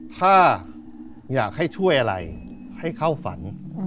ถ้าอยากให้ช่วยอะไรให้เข้าฝัน